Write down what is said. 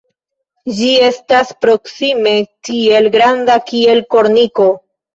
Ĝi estas proksime tiel granda kiel korniko.